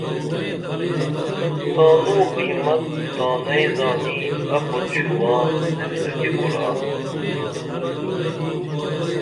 تانوں قیمت تانئیں زانی ابُت شوباں زندگی کُرا